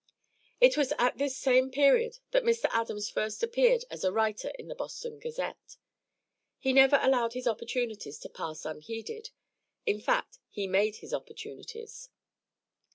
It was at this same period that Mr. Adams first appeared as a writer in the Boston Gazette. He never allowed his opportunities to pass unheeded; in fact, he made his opportunities.